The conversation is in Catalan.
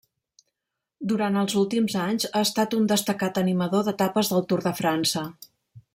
Durant els últims anys ha estat un destacat animador d'etapes del Tour de França.